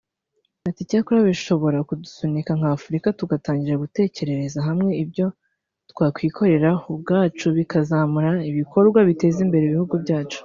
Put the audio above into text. Ati “Icyakora bishobora kudusunika nk’Afurika tugatangira gutekerereza hamwe ibyo twakwikorera ubwacu bikazamura ibikorwa biteza imbere ibihugu byacu